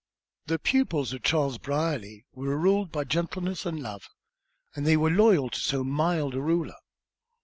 The pupils of Charles Brierly were ruled by gentleness and love, and they were loyal to so mild a ruler.